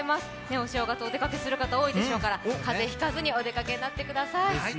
お正月、お出かけする方多いでしょうから、風邪ひかずにお出かけになってください。